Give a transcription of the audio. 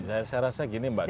saya rasa gini mbak